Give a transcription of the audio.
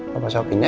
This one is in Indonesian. papa suapin ya